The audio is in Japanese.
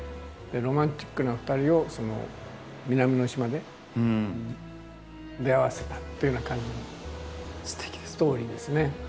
ロマンチックな２人を南の島で出会わせたっていうような感じのストーリーですね。